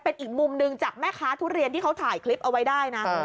เป็นอีกมุมหนึ่งจากแม่ค้าทุเรียนที่เขาถ่ายคลิปเอาไว้ได้นะ